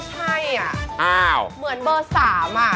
ไม่ใช่อะเหมือนเบอร์๓อะ